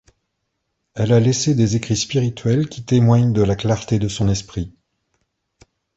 Elle a laissé des écrits spirituels qui témoignent de la clarté de son esprit.